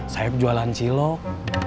saeb jualan cilok